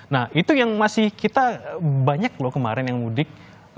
nah itu yang masih kita banyak loh kemarin yang mudik